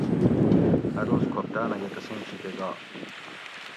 اۤ دوس کھوپتاۤنہ یہ تسیں شِیکہ گا